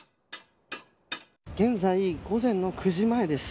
現在、午前９時前です。